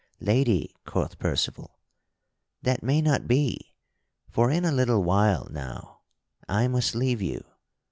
"Lady," quoth Percival, "that may not be, for in a little while now I must leave you.